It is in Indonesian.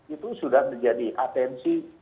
itu sudah menjadi atensi